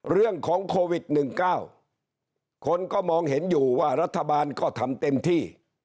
เรื่องของโควิด๑๙คนก็มองเห็นอยู่ว่ารัฐบาลก็ทำเต็มที่